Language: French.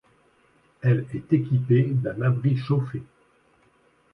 Elle est équipée d'un abri chauffé.